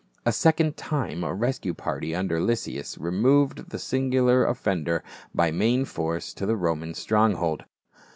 A second time a rescue party under Lysias removed this singular offender by main force to the Roman stronghold.